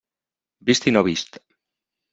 Vist i no vist.